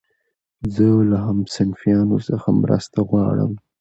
زه له همصنفيانو څخه مرسته غواړم.